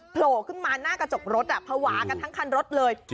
โผล่ขึ้นมาหน้ากระจกรถภาวะกันทั้งคันรถเลย